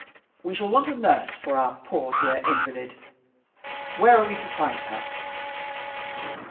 We shall want a nurse for our poor dear invalid. Where are we to find her?"